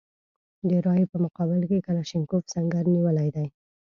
د رایې په مقابل کې کلاشینکوف سنګر نیولی دی.